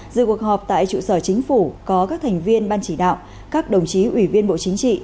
dự cuộc họp tại trụ sở chính phủ có các thành viên ban chỉ đạo các đồng chí ủy viên bộ chính trị